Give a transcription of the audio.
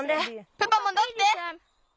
プパもどって！